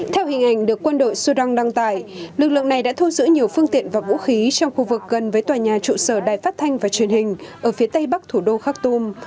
theo hình ảnh được quân đội sudan đăng tải lực lượng này đã thu giữ nhiều phương tiện và vũ khí trong khu vực gần với tòa nhà trụ sở đài phát thanh và truyền hình ở phía tây bắc thủ đô khak tum